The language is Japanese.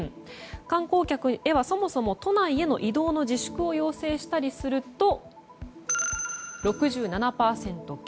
観光客へはそもそも都内への移動自粛などを要請したりすると６７％減。